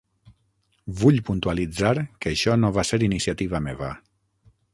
Vull puntualitzar que això no va ser iniciativa meva.